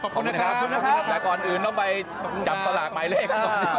ขอบคุณนะครับแต่ก่อนอื่นต้องไปจับสลากหมายเลข๒